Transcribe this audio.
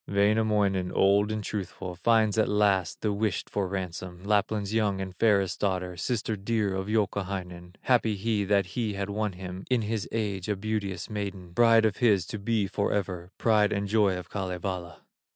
Wainamoinen, old and truthful, Finds at last the wished for ransom, Lapland's young and fairest daughter, Sister dear of Youkahainen; Happy he, that he has won him, In his age a beauteous maiden, Bride of his to be forever, Pride and joy of Kalevala.